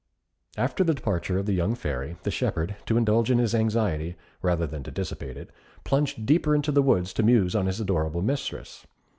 After the departure of the young Fairy, the shepherd, to indulge in his anxiety, rather than to dissipate it, plunged deeper into the woods to muse on his adorable mistress.